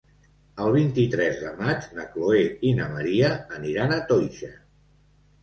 El vint-i-tres de maig na Chloé i na Maria aniran a Toixa.